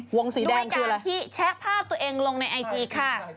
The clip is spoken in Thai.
ด้วยการที่แชะภาพตัวเองลงในไอจีค่ะ